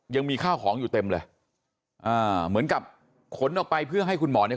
ยังมีข้าวของอยู่เต็มเลยอ่าเหมือนกับขนออกไปเพื่อให้คุณหมอเนี่ย